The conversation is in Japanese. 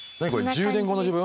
１０年後の自分。